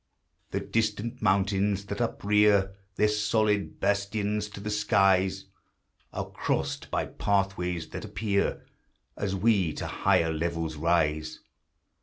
296 THE HIGHER LIFE. The distant mountains, that uprear Their solid bastions to the skies, Are crossed by pathways, that appear As we to higher levels rise.